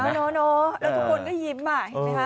แล้วทุกคนก็ยิ้ม